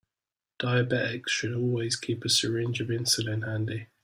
Diabetics should always keep a syringe of insulin handy.